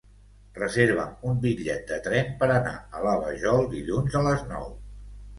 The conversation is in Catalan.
Reserva'm un bitllet de tren per anar a la Vajol dilluns a les nou.